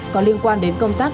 có liên quan đến công tác